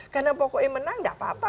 karena pokoknya menang tidak apa apa